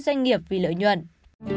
hãy đăng ký kênh để ủng hộ kênh của mình nhé